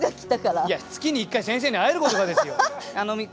月に１回先生に会えることがですよ。